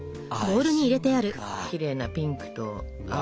きれいなピンクと青。